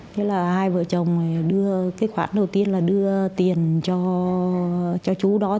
hai vợ chồng đưa cái khoản đầu tiên là đưa tiền cho chú đó